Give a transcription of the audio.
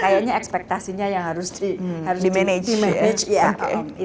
kayaknya ekspektasinya yang harus di manage